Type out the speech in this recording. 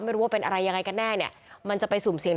ไม่รู้ว่าเป็นอะไรยังไงกันแน่เนี่ยมันจะไปสุ่มเสียง